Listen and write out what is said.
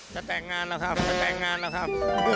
จะแต่งงานแล้วครับจะแต่งงานแล้วครับ